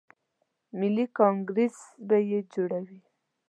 ملي کانګریس به یې جوړوي.